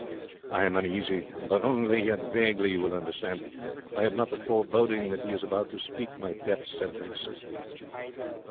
I am uneasy but only yet vaguely, you will understand. I have not the foreboding that he is about to speak my death sentence.